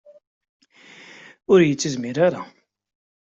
Ur d iyi-tezmir ara.